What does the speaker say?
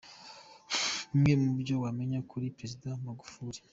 Bimwe mu byo wamenya kuri Perezida Magufuli.